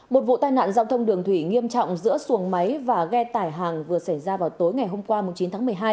một vụ tai nạn giao thông đường thủy nghiêm trọng giữa xuồng máy và ghe tải hàng vừa xảy ra vào tối ngày hôm qua chín tháng một mươi hai